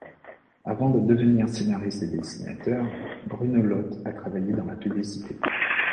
Avant de devenir scénariste et dessinateur, Bruno Loth a travaillé dans la publicité.